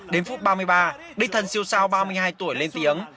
đến phút ba mươi ba đích thân siêu sao ba mươi hai tuổi lên tiếng